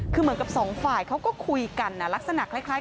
คือเหมือนกับสองฝ่ายเขาก็คุยกันลักษณะคล้าย